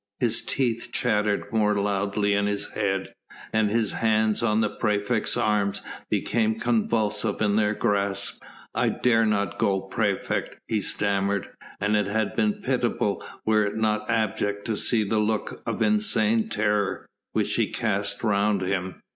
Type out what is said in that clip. His teeth chattered more loudly in his head, and his hands on the praefect's arm became convulsive in their grasp. "I dare not go, praefect," he stammered, and it had been pitiable were it not abject to see the look of insane terror which he cast around him.